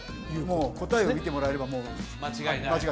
もう答えを見てもらえれば間違いないです